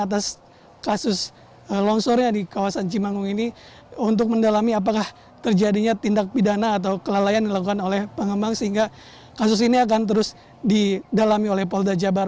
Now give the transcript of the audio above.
atas kasus longsornya di kawasan cimanggung ini untuk mendalami apakah terjadinya tindak pidana atau kelalaian dilakukan oleh pengembang sehingga kasus ini akan terus didalami oleh polda jabar